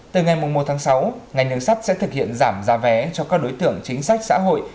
từ ngày một tháng sáu ngành đường sắt sẽ thực hiện giảm giá vé cho các đối tượng chính sách xã hội